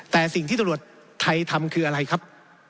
แต่สิ่งที่ตำรวจไทยทำคืออะไรครับ